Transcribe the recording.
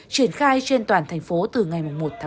triển khai trên toàn thành phố từ ngày một sáu